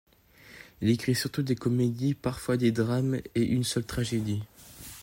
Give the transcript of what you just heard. Il écrit surtout des comédies, parfois des drames et une seule tragédie.